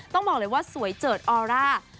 ต้องบอกเลยว่าสวยเจิดออร่า